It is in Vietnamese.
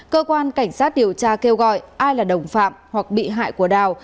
cơ quan cảnh sát điều tra kêu gọi ai là đồng phạm hoặc bị hại của đào